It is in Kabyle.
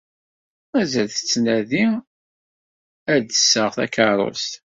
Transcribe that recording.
Mazal tettnadi ad d-tseɣ takeṛṛust?